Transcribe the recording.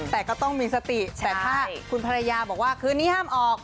แต่ก็ต้องมีสติแต่ถ้าคุณภรรยาบอกว่าคืนนี้ห้ามออก